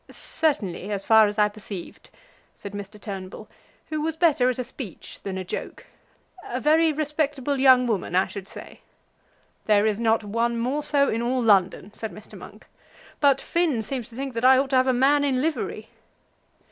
"Certainly, as far as I perceived," said Mr. Turnbull, who was better at a speech than a joke. "A very respectable young woman I should say." "There is not one more so in all London," said Mr. Monk; "but Finn seems to think that I ought to have a man in livery."